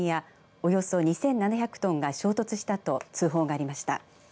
およそ２７００トンが衝突したと通報がありました。